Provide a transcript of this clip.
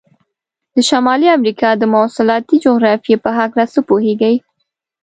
د شمالي امریکا د مواصلاتي جغرافیې په هلکه څه پوهیږئ؟